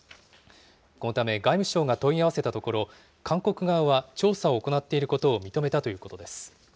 このため、外務省が問い合わせたところ、韓国側は、調査を行っていることを認めたということです。